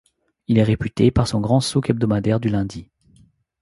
Elle est réputée par son grand souk hebdomadaire du lundi.